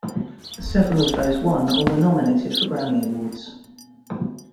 Several of those won or were nominated for Grammy Awards.